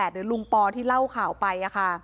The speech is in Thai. หรือลุงปอที่เล่าข่าวไป